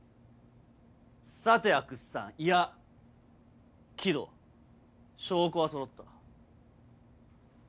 さて阿久津さんいや鬼道証拠はそろった。